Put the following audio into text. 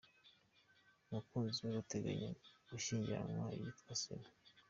Umukunzi we bateganya gushyingiranwa yitwa Zena.